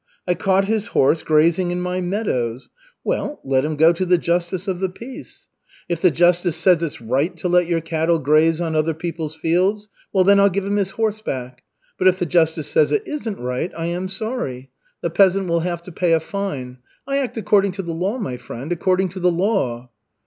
I caught his horse grazing in my meadows well, let him go to the justice of the peace. If the justice says it's right to let your cattle graze on other people's fields, well, then I'll give him his horse back, but if the justice says it isn't right, I am sorry. The peasant will have to pay a fine. I act according to the law, my friend, according to the law."